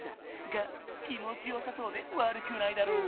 が気もちよさそうでわるくないだろう。